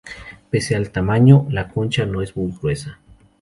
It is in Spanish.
Pese al tamaño, la concha no es muy gruesa.